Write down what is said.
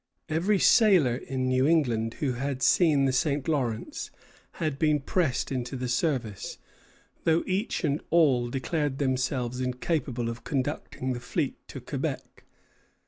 Every sailor in New England who had seen the St. Lawrence had been pressed into the service, though each and all declared themselves incapable of conducting the fleet to Quebec.